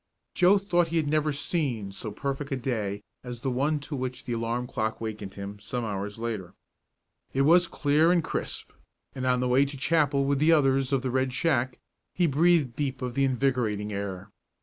Joe thought he had never seen so perfect a day as the one to which the alarm clock awakened him some hours later. It was clear and crisp, and on the way to chapel with the others of the Red Shack, he breathed deep of the invigorating air.